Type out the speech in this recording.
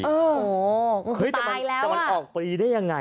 โอ้โฮตายแล้วอ่ะแต่มันออกปีได้ยังไงอ่ะ